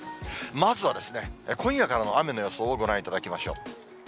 まずは今夜からの雨の予想をご覧いただきましょう。